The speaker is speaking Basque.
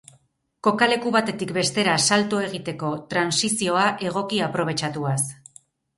Kokaleku batetik bestera salto egiteko trantsizioa egoki aprobetxatuaz.